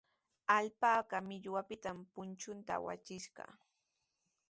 Alpaka millwapitami punchunta awachishqa.